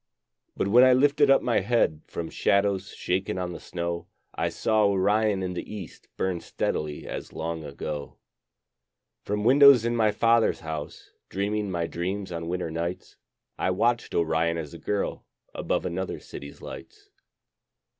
But when I lifted up my head From shadows shaken on the snow, I saw Orion in the east Burn steadily as long ago. From windows in my father's house, Dreaming my dreams on winter nights, I watched Orion as a girl Above another city's lights.